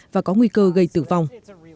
và có nguy cơ gây tử vong